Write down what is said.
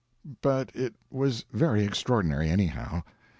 But it was very extraordinary, anyhow.